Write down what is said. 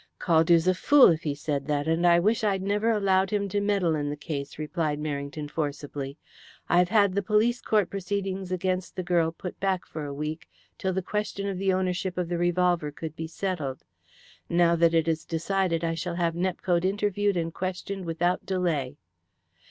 "Caldew's a fool if he said that, and I wish I'd never allowed him to meddle in the case," replied Merrington forcibly. "I've had the police court proceedings against the girl put back for a week till the question of the ownership of the revolver could be settled. Now that it is decided I shall have Nepcote interviewed and questioned without delay."